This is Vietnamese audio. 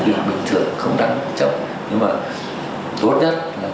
thì trước hết chúng ta chấp hành một phần